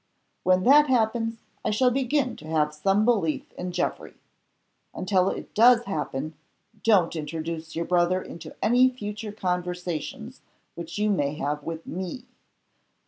When that happens, I shall begin to have some belief in Geoffrey. Until it does happen, don't introduce your brother into any future conversations which you may have with Me.